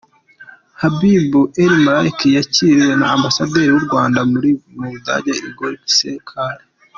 Habib El Malki yakiriwe na Ambasaderi w’u Rwanda mu Budage, Igor Cesar.